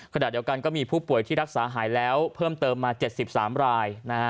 ขณะเดียวกันก็มีผู้ป่วยที่รักษาหายแล้วเพิ่มเติมมา๗๓ราย